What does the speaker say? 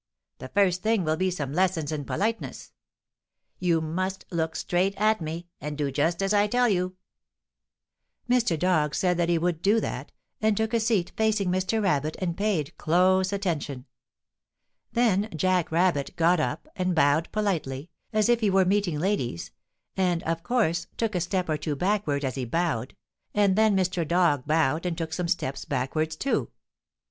The first thing will be some lessons in politeness. You must look straight at me and do just as I tell you." [Illustration: BOWED POLITELY, AS IF HE WERE MEETING LADIES.] Mr. Dog said that he would do that, and took a seat facing Mr. Rabbit and paid close attention. Then Jack Rabbit got up and bowed politely, as if he were meeting ladies, and, of course, took a step or two backward as he bowed, and then Mr. Dog bowed and took some steps backward, too.